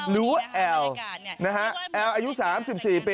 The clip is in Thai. อ๋อรู้แอลแอลอายุ๓๔ปี